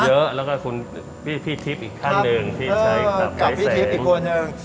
เยอะแล้วก็พี่ทิพย์อีกท่านหนึ่งที่ใช้กับไกลแสง